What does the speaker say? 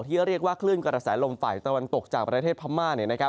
ที่เรียกว่าคลื่นกระแสลมฝ่ายตะวันตกจากประเทศพม่า